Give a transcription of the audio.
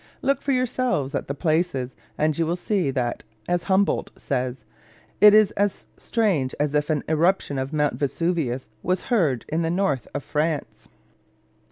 Look for yourselves at the places, and you will see that (as Humboldt says) it is as strange as if an eruption of Mount Vesuvius was heard in the north of France.